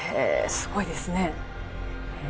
すごいですね。